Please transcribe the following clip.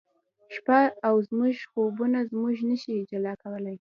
شپه او زموږ خوبونه موږ نه شي جلا کولای